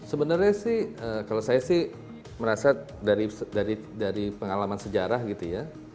sebenarnya sih kalau saya sih merasa dari pengalaman sejarah gitu ya